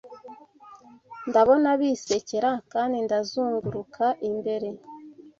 Ndabona bisekera, kandi ndazunguruka imbere